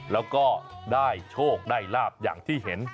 แล้วก็ได้โชคได้ลาบอย่างที่เห็น